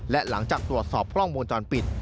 และหลังจากตรวจสอบกล้องมนตร์ตอนปิด